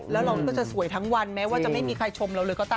แล้วเราจะสวยทั้งวันแม้ไม่ได้ใครชมเราเลยก็ตาม